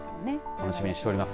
楽しみにしております。